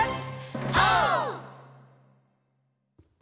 オー！